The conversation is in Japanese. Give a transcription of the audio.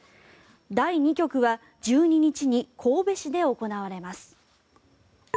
第２局は１２日に神戸市で行われます。